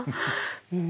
うん。